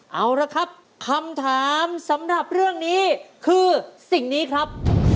เอาละครับคำถามสำหรับเรื่องนี้คือสิ่งนี้ครับ